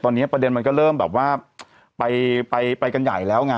ตอนนี้ประเด็นมันก็เริ่มแบบว่าไปกันใหญ่แล้วไง